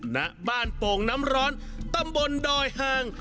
ณบ้านโป่งน้ำร้อนตำบลดอยหาง